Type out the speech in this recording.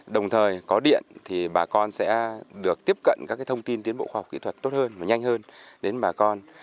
đồng thời có điện thì bà con sẽ được tiếp cận các thông tin tiến bộ khoa học kỹ thuật tốt hơn và nhanh hơn đến bà con